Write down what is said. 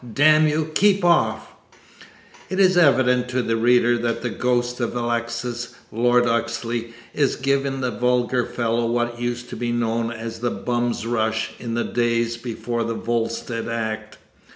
Damn you, keep off " It is evident to the reader that the ghost of Alexis, Lord Oxley, is giving the vulgar fellow what used to be known as "the bum's rush" in the days before the Volstead act.